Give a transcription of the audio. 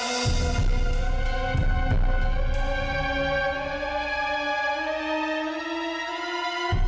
apa yang kamu beast